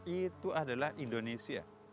itu adalah indonesia